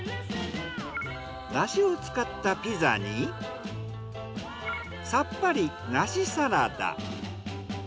梨を使ったピザにさっぱり梨サラダ。